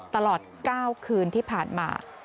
ตลอด๙คืนที่ผ่านมา